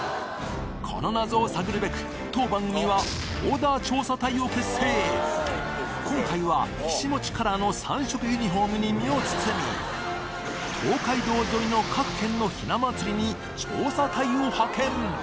この謎を探るべく当番組は今回はひし餅カラーの３色ユニフォームに身を包み東海道沿いの各県のひな祭りに調査隊を派遣